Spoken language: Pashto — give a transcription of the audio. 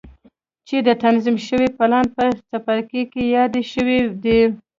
چې د تنظيم شوي پلان په څپرکي کې يادې شوې دي.